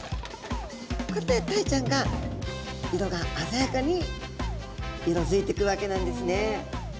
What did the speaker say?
こうやってタイちゃんが色があざやかに色づいてくわけなんですね。